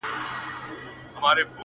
پوه سوم جهاني چي د انصاف سوالونه پاته وه!